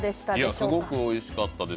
すごくおいしかったです。